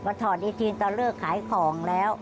ก็ถอดอีกทีตอนเลิกขายของแล้ว